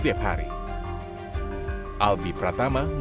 tapi juga bisa dengan cara mengenali dan memahami dasar kendaraan yang rusak